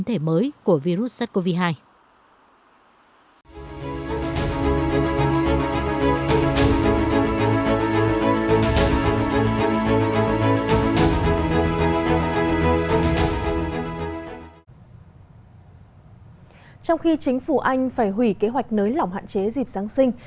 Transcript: trong khi chính phủ anh phải hủy kế hoạch nới lỏng hạn chế dịp giáng sinh